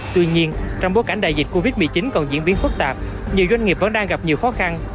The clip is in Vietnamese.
tuy nhiên trong bối cảnh đại dịch covid một mươi chín còn diễn biến phức tạp nhiều doanh nghiệp vẫn đang gặp nhiều khó khăn